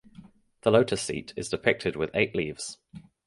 The lotus seat is depicted with eight leaves.